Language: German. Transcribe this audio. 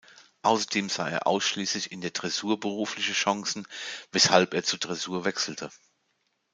Außerdem sah er ausschließlich in der Dressur berufliche Chancen, weshalb er zur Dressur wechselte.